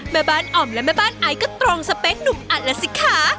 แม่บ้านอ่อมและแม่บ้านไอซ์ก็ตรงสเปคหนุ่มอัดแล้วสิคะ